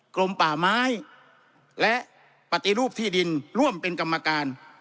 กรมป่าไม้และปฏิรูปที่ดินร่วมเป็นกรรมการ